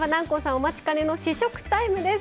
お待ちかねの試食タイムです。